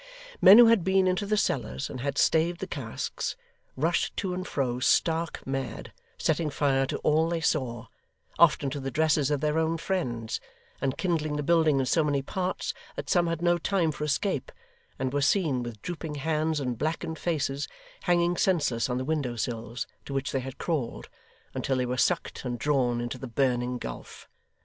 Men who had been into the cellars, and had staved the casks, rushed to and fro stark mad, setting fire to all they saw often to the dresses of their own friends and kindling the building in so many parts that some had no time for escape, and were seen, with drooping hands and blackened faces, hanging senseless on the window sills to which they had crawled, until they were sucked and drawn into the burning gulf.